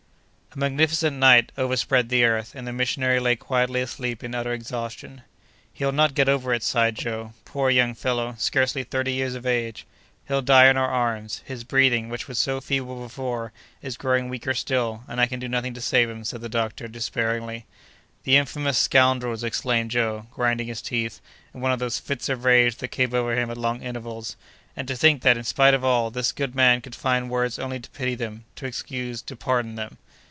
A magnificent night overspread the earth, and the missionary lay quietly asleep in utter exhaustion. "He'll not get over it!" sighed Joe. "Poor young fellow—scarcely thirty years of age!" "He'll die in our arms. His breathing, which was so feeble before, is growing weaker still, and I can do nothing to save him," said the doctor, despairingly. "The infamous scoundrels!" exclaimed Joe, grinding his teeth, in one of those fits of rage that came over him at long intervals; "and to think that, in spite of all, this good man could find words only to pity them, to excuse, to pardon them!"